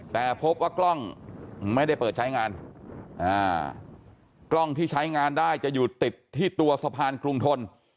แต่พบว่ากล้องไม่ได้เปิดใช้งานกล้องที่ใช้งานได้จะอยู่ติดที่ตัวสะพานกรุงทน